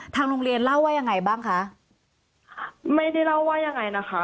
โรงเรียนเล่าว่ายังไงบ้างคะไม่ได้เล่าว่ายังไงนะคะ